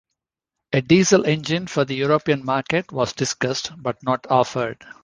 A diesel engine for the European market was discussed, but not offered.